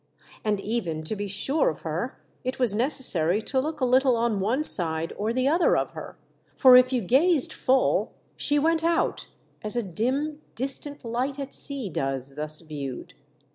And even to be sure of her, it was necessary to look a little on one side or the other of her ; for if you gazed full she went out, as a dim distant light at sea does, thus viewed.